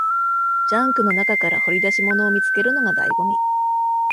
ジャンクの中から掘り出し物を見つけるのが醍醐味